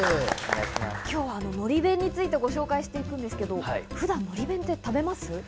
今日はのり弁についてご紹介していくんですけれども普段食べます？